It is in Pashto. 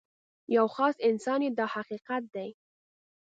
یو خاص انسان یې دا حقیقت دی.